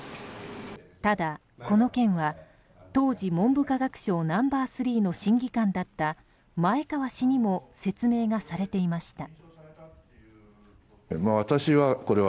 ただ、この件は当時文部科学省ナンバー３の審議官だった前川氏にも説明がされていました。